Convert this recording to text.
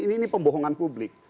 ini pembohongan publik